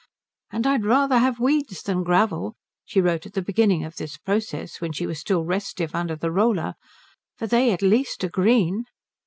"And I'd rather have weeds than gravel," she wrote at the beginning of this process when she was still restive under the roller, "for they at least are green."